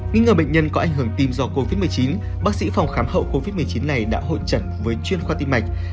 nghĩ ngờ bệnh nhân có ảnh hưởng tim do covid một mươi chín bác sĩ phòng khám hậu covid một mươi chín này đã hội trận với chuyên khoa tim mạch